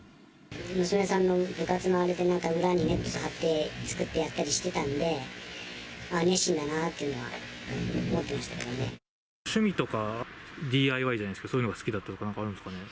娘さんの部活のあれで、なんか裏にネット張って作ってやったりしてたんで、熱心だなって趣味とか、ＤＩＹじゃないですけど、そういうのが好きだったとかあるんですかね。